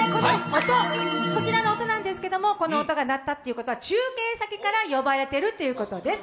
こちらの音なんですけれどもこの音が鳴ったということは中継先から呼ばれているということです。